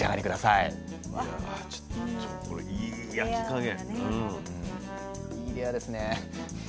いいレアですね。